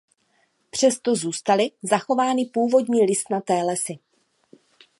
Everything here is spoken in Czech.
Přesto zůstaly zachovány původní listnaté lesy.